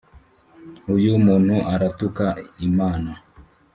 uyu muntu aratuka Imana